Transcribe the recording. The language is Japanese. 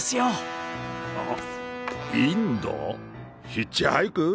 ヒッチハイク？